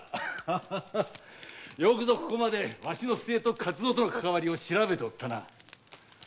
よくぞここまでわしの不正と勝蔵とのかかわりを調べたな。